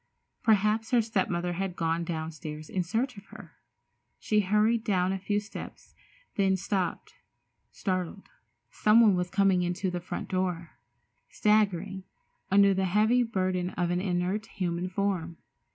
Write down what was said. Perhaps her step mother had gone downstairs in search of her. She hurried down a few steps, then stopped, startled. Someone was coming into the front door, staggering under the heavy burden of an inert, human form.